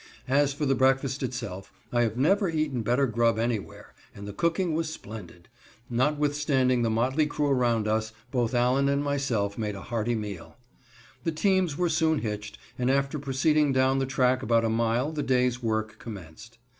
As for the breakfast itself, I have never eaten better grub anywhere, and the cooking was splendid. Notwithstanding the motley crew around us, both Allen and myself made a hearty meal. The teams were soon hitched, and after proceeding down the track about a mile the day's work commenced.